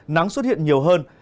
nắng xuất hiện nhiều hơn